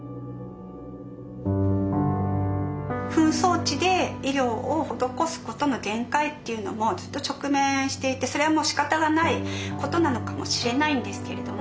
紛争地で医療を施すことの限界っていうのもずっと直面していてそれはもうしかたがないことなのかもしれないんですけれども。